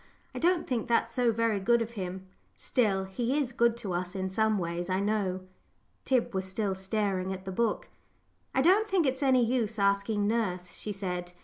"I don't think that's so very good of him. Still, he is good to us in some ways, I know." Tib was still staring at the book. "I don't think it's any use asking nurse," she said.